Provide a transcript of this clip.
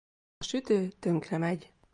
A sütő tönkremegy.